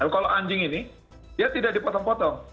kalau anjing ini dia tidak dipotong potong